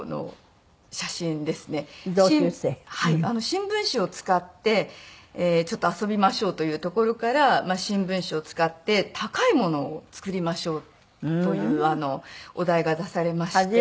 新聞紙を使ってちょっと遊びましょうというところから新聞紙を使って高いものを作りましょうというお題が出されまして。